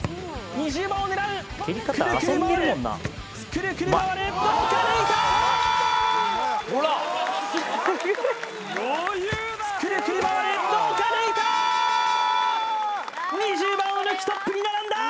２０番を抜きトップに並んだ！